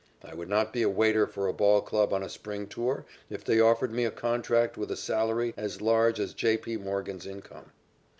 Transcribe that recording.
I would not be a waiter for a ball club on a spring tour if they offered me a contract with a salary as large as J. P. Morgan's income.